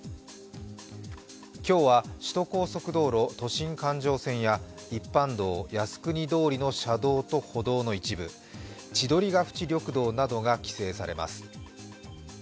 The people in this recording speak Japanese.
今日は首都高速道路都心環状線や一般道・靖国通りの車道と歩道の一部千鳥ヶ淵緑道などが規制されます。